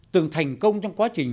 từng thành công trong quá trình